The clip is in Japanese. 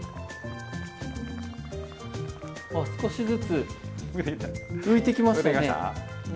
あっ少しずつ浮いてきましたね。